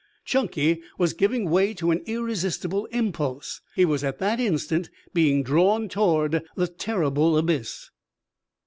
Chunky was giving way to an irresistible impulse. He was at that instant being drawn toward the terrible abyss.